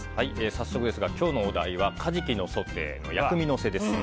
早速ですが今日のお題はカジキのソテー薬味のせです。